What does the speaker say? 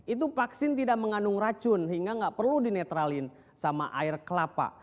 itu vaksin tidak mengandung racun hingga nggak perlu dinetralin sama air kelapa